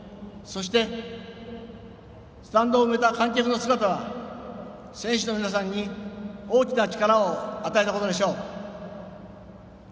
そして、スタンドを埋めた観客の姿は選手の皆さんに大きな力を与えたことでしょう。